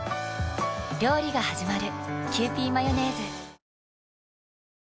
料理がはじまる。